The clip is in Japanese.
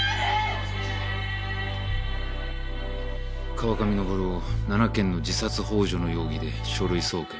川上昇を７件の自殺幇助の容疑で書類送検。